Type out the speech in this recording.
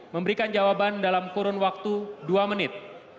memberikan jawaban dalam kurun waktu dua menit